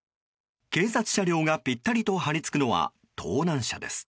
警察車両が、ぴったりと張り付くのは盗難車です。